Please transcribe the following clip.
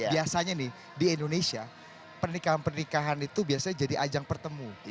biasanya nih di indonesia pernikahan pernikahan itu biasanya jadi ajang pertemu